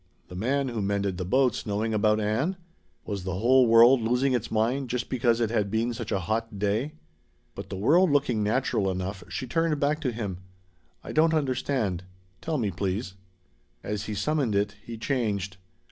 The man who mended the boats knowing about Ann? Was the whole world losing its mind just because it had been such a hot day? But the world looking natural enough, she turned back to him. "I don't understand. Tell me, please." As he summoned it, he changed.